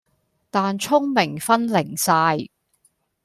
但聰明分零晒